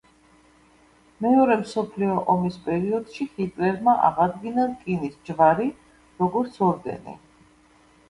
მეორე მსოფლიო ომის პერიოდში ჰიტლერმა აღადგინა „რკინის ჯვარი“, როგორც ორდენი.